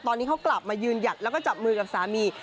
ตอนนี้เขากลับมายืนหยัดแล้วก็จับมือกับสามี